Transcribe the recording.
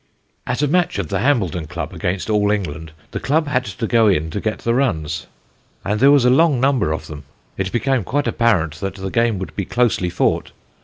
"At a match of the Hambledon Club against All England, the club had to go in to get the runs, and there was a long number of them. It became quite apparent that the game would be closely fought.